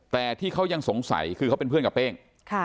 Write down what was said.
แต่ที่เขายังสงสัยคือเขาเป็นเพื่อนกับเป้ง